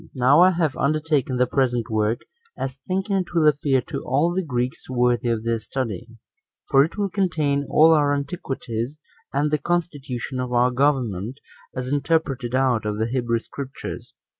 2. Now I have undertaken the present work, as thinking it will appear to all the Greeks 2 worthy of their study; for it will contain all our antiquities, and the constitution of our government, as interpreted out of the Hebrew Scriptures.